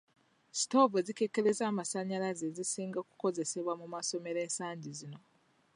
Sitoovu ezikekkereza amasannyalaze zisinga kukozesebwa mu masomero ensangi zino.